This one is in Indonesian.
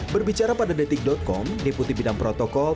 berbicara pada detik com deputi bidang protokol